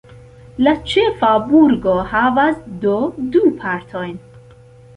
La ĉefa burgo havas do du partojn.